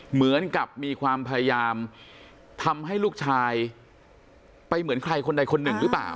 เหมือนกับมีความพยายามทำให้ลูกชายไปเหมือนใครคนใดคนหนึ่งหรือเปล่า